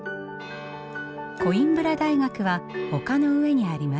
コインブラ大学は丘の上にあります。